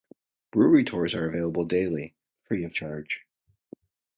Brewery tours are available daily, free of charge.